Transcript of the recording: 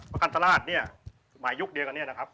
ประกันตราชเนี่ยสมัยยุคเดียวกันเนี่ยนะครับ